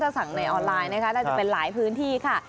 สั่งในออนไลน์นะคะน่าจะเป็นหลายพื้นที่ค่ะ